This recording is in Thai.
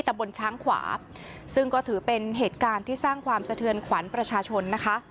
บนช้างขวาซึ่งก็ถือเป็นเหตุการณ์ที่สร้างความสะเทือนขวัญประชาชนนะคะ